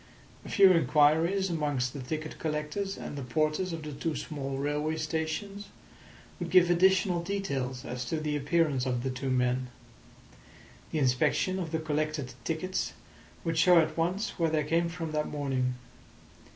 A few inquiries amongst the ticket collectors and the porters of the two small railway stations would give additional details as to the appearance of the two men; the inspection of the collected tickets would show at once where they came from that morning.